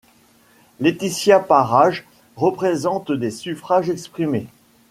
Laëtitia Parage représente des suffrages exprimés.